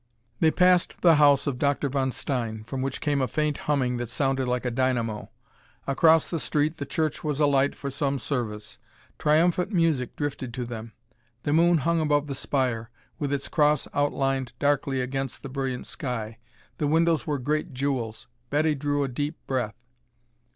They passed the house of Dr. von Stein, from which came a faint humming that sounded like a dynamo. Across the street the church was alight for some service. Triumphant music drifted to them. The moon hung above the spire, with its cross outlined darkly against the brilliant sky. The windows were great jewels. Betty drew a deep breath.